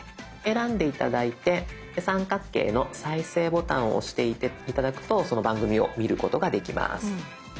選んで頂いて三角形の再生ボタンを押して頂くとその番組を見ることができます。